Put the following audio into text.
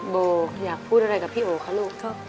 โบอยากพูดอะไรกับพี่โอคะลูก